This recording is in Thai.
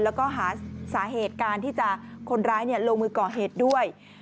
แล้วก็หาสาเหตุการที่จะคนร้ายลงมือก่อเหตุด้วย